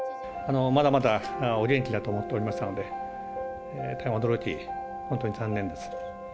まだまだお元気だと思っておりましたので、大変驚き、本当に残念です。